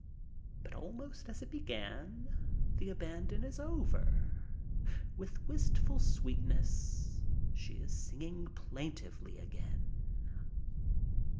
But almost as it began, the abandon is over. With wistful sweetness, she is singing plaintively again.